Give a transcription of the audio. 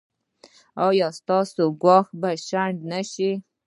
ایا ستاسو ګواښ به شنډ نه شي؟